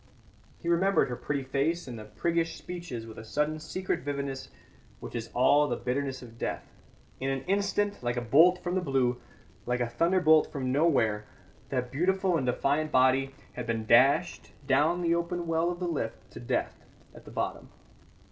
He remembered her pretty face and priggish speeches with a sudden secret vividness which is all the bitterness of death. In an instant like a bolt from the blue, like a thunderbolt from nowhere, that beautiful and defiant body had been dashed down the open well of the lift to death at the bottom.